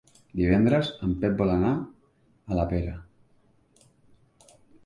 Divendres en Pep vol anar a la Pera.